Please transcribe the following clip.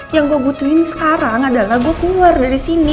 yang gua butuhin sekarang adalah gua keluar dari sini